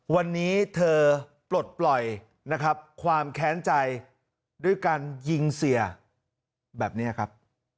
วันนี้เธอปลดปล่อยนะครับความแค้นใจด้วยการยิงเสียแบบนี้ครับ